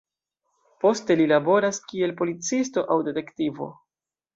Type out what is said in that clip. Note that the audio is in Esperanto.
Poste li laboras kiel policisto aŭ detektivo.